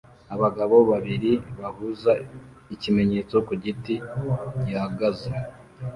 Abagabo babiri bahuza ikimenyetso ku giti gihagaze